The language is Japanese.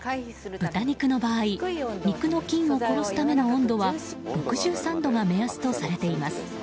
豚肉の場合肉の菌を殺すための温度は６３度が目安とされています。